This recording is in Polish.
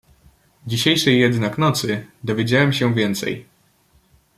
"Dzisiejszej jednak nocy dowiedziałem się więcej."